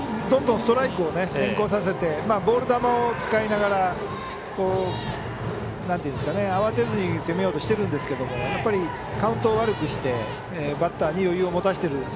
どんどんストライクを先行させてボール球を使いながら慌てずに攻めようとしているんですけどカウントを悪くしてバッターに余裕を持たしている。